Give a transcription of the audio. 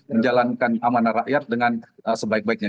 menjalankan amanah rakyat dengan sebaik baiknya